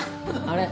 あれ？